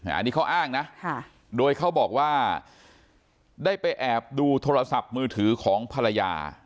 อันนี้เขาอ้างนะโดยเขาบอกว่าได้ไปแอบดูโทรศัพท์มือถือของภรรยา